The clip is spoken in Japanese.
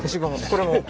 これも？